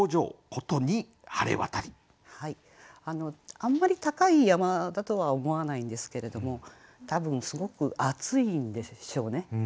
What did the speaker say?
あんまり高い山だとは思わないんですけれども多分すごく暑いんでしょうね。